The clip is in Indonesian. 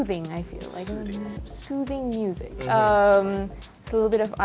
menyenangkan saya rasa